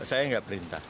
saya enggak perintah